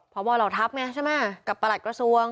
เพราะว่าเหล่าทัพเนี่ยใช่ไหมกับประหลักกระทรวง